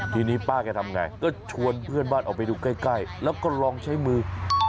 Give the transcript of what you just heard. ทีนี้ป้าแกทำไงก็ชวนเพื่อนบ้านออกไปดูใกล้แล้วก็ลองใช้มือ